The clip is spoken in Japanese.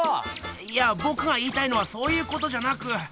いやぼくが言いたいのはそういうことじゃなく。